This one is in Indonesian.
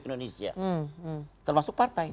indonesia termasuk partai